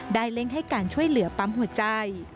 เร่งให้การช่วยเหลือปั๊มหัวใจ